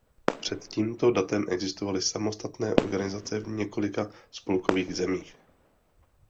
Před tímto datem existovaly samostatné organizace v několika spolkových zemích.